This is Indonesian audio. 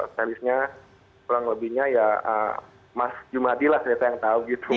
saya kan ke talisnya kurang lebihnya ya mas jumadilas itu yang tahu gitu